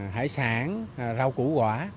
hải sản rau củ quả